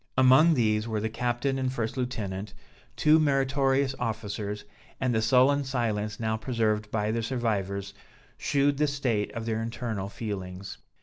Among these were the captain and first lieutenant, two meritorious officers: and the sullen silence now preserved by the survivors, shewed the state of their internal feelings.